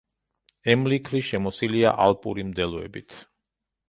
ემლიქლი შემოსილია ალპური მდელოებით.